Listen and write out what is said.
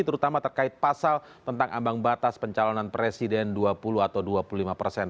terutama terkait pasal tentang ambang batas pencalonan presiden dua puluh atau dua puluh lima persen